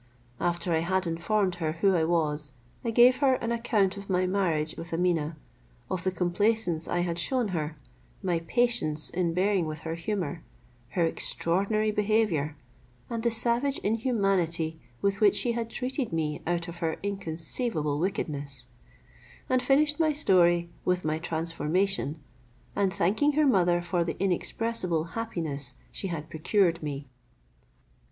After I had informed her who I was, I gave her an account of my marriage with Ameeneh, of the complaisance I had shewn her, my patience in bearing with her humour, her extraordinary behaviour, and the savage inhumanity with which she had treated me out of her inconceivable wickedness, and finished my story with my transformation, and thanking her mother for the inexpressible happiness she had procured me.